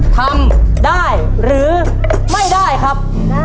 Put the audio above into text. ทำได้หรือไม่ได้ครับ